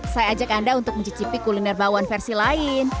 saya ajak anda untuk mencicipi kuliner bakwan versi lain